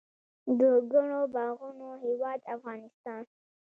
د ګڼو باغونو هیواد افغانستان.